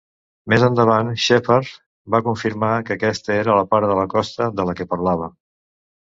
Més endavant, Shepherd va confirmar que aquesta era la part de la costa de la que parlava.